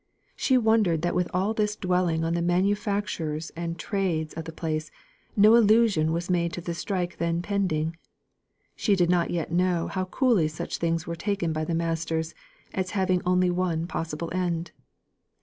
She wondered that, with all this dwelling on the manufacturers and trade of the place, no allusion was made to the strike then pending. She did not yet know how coolly such things were taken by the masters, as having only one possible end.